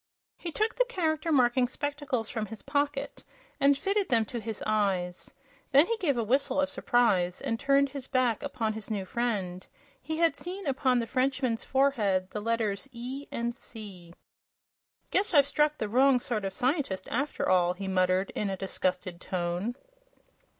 He took the Character Marking spectacles from his pocket and fitted them to his eyes. Then he gave a whistle of surprise and turned his back upon his new friend. He had seen upon the Frenchman's forehead the letters "E" and "C." "Guess I've struck the wrong sort of scientist, after all!" he muttered, in a disgusted tone.